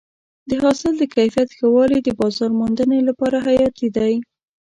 د حاصل د کیفیت ښه والی د بازار موندنې لپاره حیاتي دی.